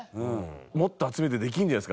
もっと集めてできるんじゃないですか？